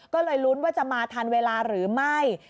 ก็เลยลุ้นว่าจะมาทันเวลาหรือไม่